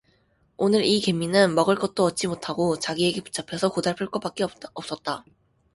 오늘 이 개미는 먹을 것도 얻지 못하고 자기에게 붙잡혀서 고달플것밖에 없었다.